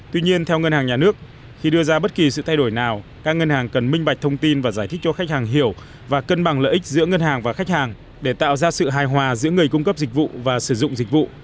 tuy nhiên theo ngân hàng nhà nước khi đưa ra bất kỳ sự thay đổi nào các ngân hàng cần minh bạch thông tin và giải thích cho khách hàng hiểu và cân bằng lợi ích giữa ngân hàng và khách hàng để tạo ra sự hài hòa giữa người cung cấp dịch vụ và sử dụng dịch vụ